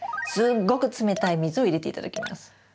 すっごく冷たい水を入れて頂きます。